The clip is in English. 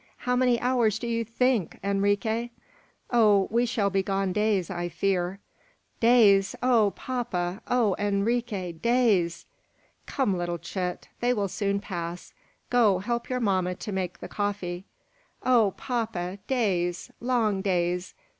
How many hours do you think, Enrique?" "Oh! we shall be gone days, I fear." "Days! Oh, papa! Oh, Enrique! Days!" "Come, little chit; they will soon pass. Go! Help your mamma to make the coffee." "Oh, papa! Days; long days.